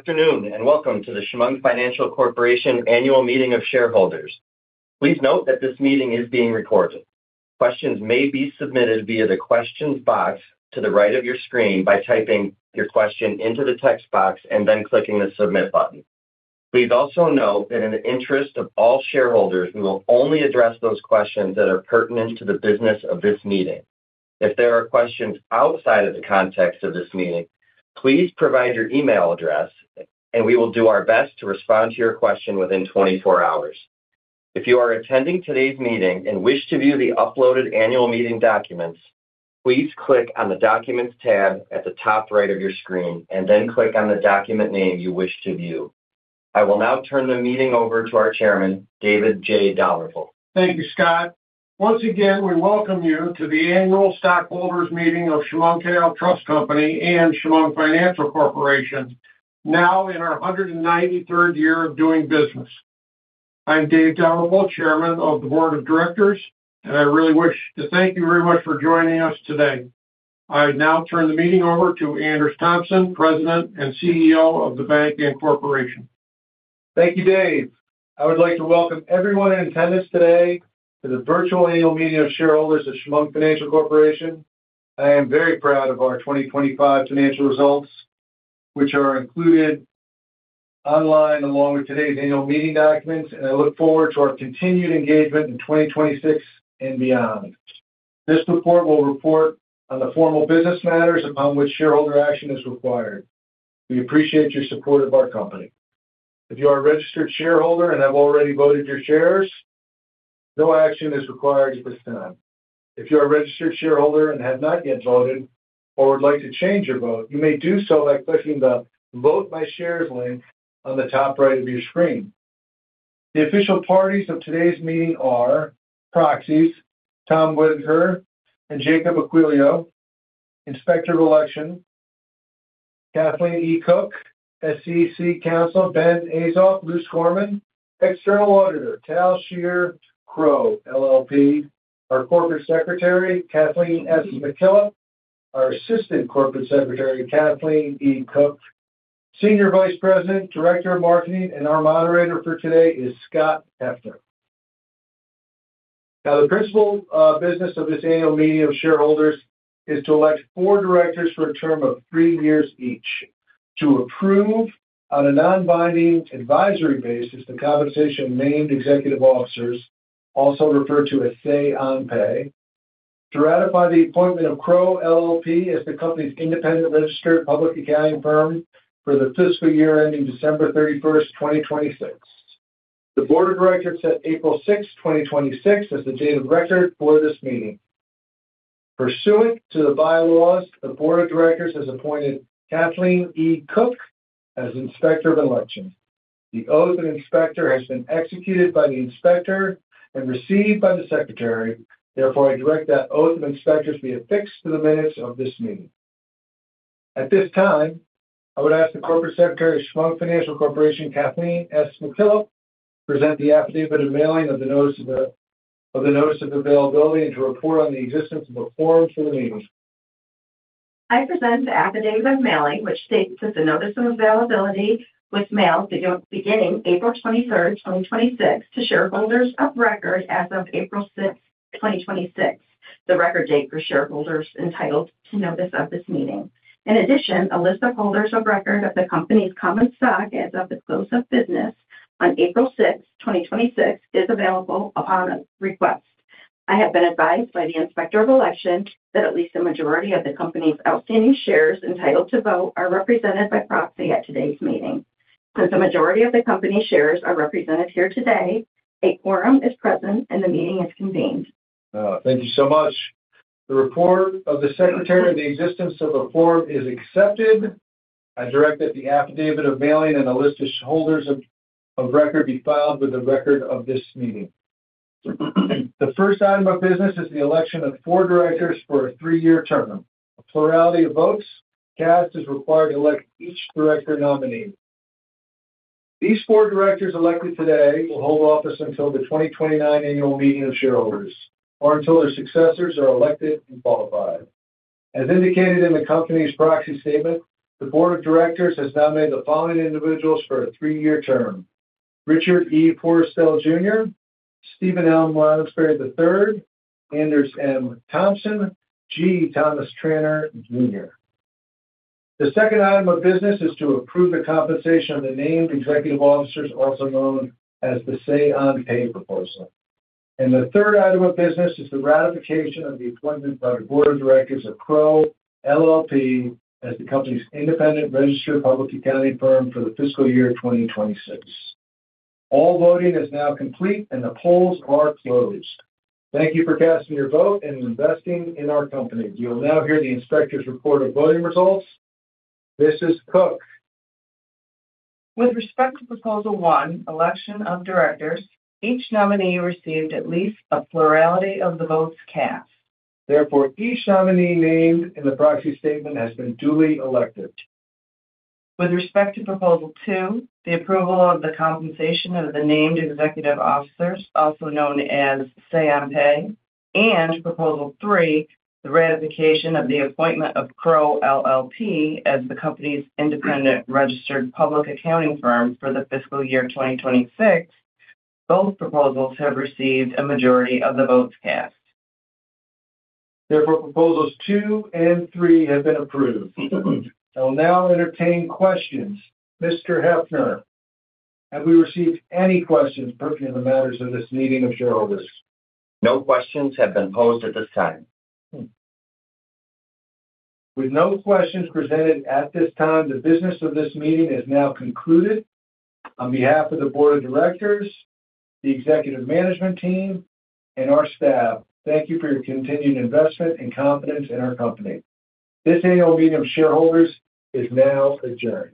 Afternoon, welcome to the Chemung Financial Corporation Annual Meeting of Shareholders. Please note that this meeting is being recorded. Questions may be submitted via the Questions box to the right of your screen by typing your question into the text box and then clicking the Submit button. Please also note that in the interest of all shareholders, we will only address those questions that are pertinent to the business of this meeting. If there are questions outside of the context of this meeting, please provide your email address and we will do our best to respond to your question within 24 hours. If you are attending today's meeting and wish to view the uploaded annual meeting documents, please click on the Documents tab at the top right of your screen, and then click on the document name you wish to view. I will now turn the meeting over to our Chairman, David J. Dalrymple. Thank you, Scott. Once again, we welcome you to the annual stockholders meeting of Chemung Canal Trust Company and Chemung Financial Corporation, now in our 193rd year of doing business. I'm Dave Dalrymple, Chairman of the Board of Directors, and I really wish to thank you very much for joining us today. I now turn the meeting over to Anders Tomson, President and CEO of the bank and corporation. Thank you, Dave. I would like to welcome everyone in attendance today to the virtual annual meeting of shareholders of Chemung Financial Corporation. I am very proud of our 2025 financial results, which are included online along with today's annual meeting documents, and I look forward to our continued engagement in 2026 and beyond. This report will report on the formal business matters upon which shareholder action is required. We appreciate your support of our company. If you are a registered shareholder and have already voted your shares, no action is required at this time. If you are a registered shareholder and have not yet voted or would like to change your vote, you may do so by clicking the Vote My Shares link on the top right of your screen. The official parties of today's meeting are proxies, Tom Winter and Jacob Aquilio, Inspector of Election, Kathleen E. Cook, SEC Counsel, Ben Azoff, Luse Gorman, External Auditor, Tal Scheer, Crowe LLP, our Corporate Secretary, Kathleen S. McKillip, our Assistant Corporate Secretary, Kathleen E. Cook, Senior Vice President, Director of Marketing, and our moderator for today is Scott Heffner. The principal business of this annual meeting of shareholders is to elect four directors for a term of three years each, to approve on a non-binding advisory basis the compensation of named executive officers, also referred to as say on pay, to ratify the appointment of Crowe LLP as the company's independent registered public accounting firm for the fiscal year ending December 31, 2026. The board of directors set April 6, 2026 as the date of record for this meeting. Pursuant to the bylaws, the Board of Directors has appointed Kathleen E. Cook as Inspector of Election. The oath of inspector has been executed by the inspector and received by the secretary. Therefore, I direct that oath of inspector be affixed to the minutes of this meeting. At this time, I would ask the Corporate Secretary of Chemung Financial Corporation, Kathleen S. McKillip, to present the affidavit of mailing of the Notice of Availability, and to report on the existence of a quorum for the meeting. I present the affidavit of mailing, which states that the notice of availability was mailed beginning April 23, 2026 to shareholders of record as of April 6, 2026, the record date for shareholders entitled to notice of this meeting. In addition, a list of holders of record of the company's common stock as of its close of business on April 6, 2026 is available upon request. I have been advised by the Inspector of Election that at least a majority of the company's outstanding shares entitled to vote are represented by proxy at today's meeting. Since a majority of the company's shares are represented here today, a quorum is present and the meeting is convened. Thank you so much. The report of the secretary of the existence of a quorum is accepted. I direct that the affidavit of mailing and a list of shareholders of record be filed with the record of this meeting. The first item of business is the election of four directors for a three-year term. A plurality of votes cast is required to elect each director nominee. These four directors elected today will hold office until the 2029 annual meeting of shareholders, or until their successors are elected and qualified. As indicated in the company's proxy statement, the Board of Directors has nominated the following individuals for a three-year term: Richard E. Forrestel Jr., Stephen M. Lounsberry III, Anders M. Tomson, G. Thomas Tranter Jr. The second item of business is to approve the compensation of the named executive officers, also known as the say on pay proposal. The third item of business is the ratification of the appointment by the Board of Directors of Crowe LLP as the company's independent registered public accounting firm for the fiscal year 2026. All voting is now complete and the polls are closed. Thank you for casting your vote and investing in our company. You will now hear the inspector's report of voting results. Mrs. Cook. With respect to proposal one, election of directors, each nominee received at least a plurality of the votes cast. Therefore, each nominee named in the proxy statement has been duly elected. With respect to proposal two, the approval of the compensation of the named executive officers, also known as say on pay, and proposal three, the ratification of the appointment of Crowe LLP as the company's independent registered public accounting firm for the fiscal year 2026, both proposals have received a majority of the votes cast. Therefore, proposals two and three have been approved. I will now entertain questions. Mr. Heffner, have we received any questions pertinent to the matters of this meeting of shareholders? No questions have been posed at this time. With no questions presented at this time, the business of this meeting is now concluded. On behalf of the board of directors, the executive management team, and our staff, thank you for your continued investment and confidence in our company. This AGM of shareholders is now adjourned.